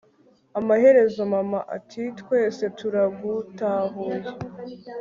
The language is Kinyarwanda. amaherezo mama ati twese turagutahuye